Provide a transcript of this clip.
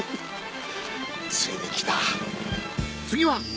ついに来た！